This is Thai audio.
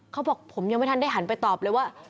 เขาบอกผมยังไม่ทันได้หันไปตอบเลยว่า